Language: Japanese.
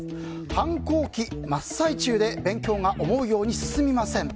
反抗期真っ最中で勉強が思うように進みません。